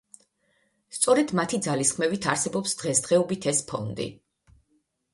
სწორედ მათი ძალისხმევით არსებობს დღესდღეობით ეს ფონდი.